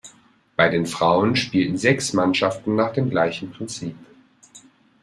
Bei den Frauen spielten sechs Mannschaften nach dem gleichen Prinzip.